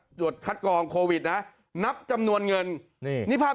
ตรวจคัดกองโควิดนะนับจำนวนเงินนี่นี่ภาพ